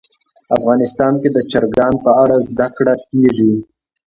افغانستان کې د چرګان په اړه زده کړه کېږي.